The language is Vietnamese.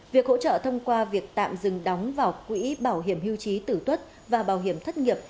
việc hỗ trợ thông qua việc tạm dừng đóng vào quỹ bảo hiểm hưu trí tử tuất và bảo hiểm thất nghiệp